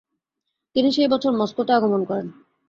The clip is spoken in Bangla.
তিনি সেই বছর মস্কোতে আগমন করেন।